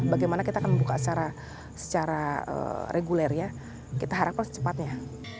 bagaimana kita akan membuka secara reguler ya kita harapkan secepatnya